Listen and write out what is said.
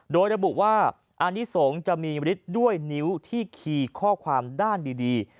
โดยระบุว่าอานิสงฆ์จะมีฤทธิ์ด้วยนิ้วที่คีย์ข้อความด้านดี